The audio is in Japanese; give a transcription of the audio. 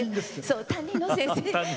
担任の先生。